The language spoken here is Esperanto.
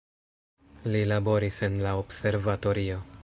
Li laboris en la observatorio.